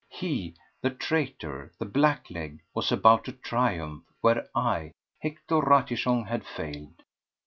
He, the traitor, the blackleg, was about to triumph, where I, Hector Ratichon, had failed!